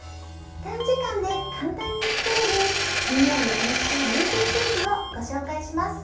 短時間で簡単に作れるひんやりおいしい冷製スープをご紹介します。